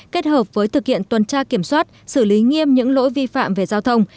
kết hợp với thực hiện tuần tra kiểm soát xử lý nghiêm những lỗi vi phạm về giao thông